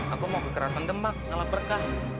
aku mau ke keraton demak ngalap berkah